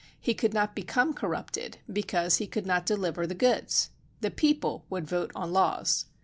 He could not become corrupted because he could not deliver the goods. The people would vote on laws.